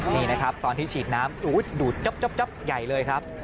นี่นะครับตอนที่ฉีดน้ำดูดจ๊อบใหญ่เลยครับ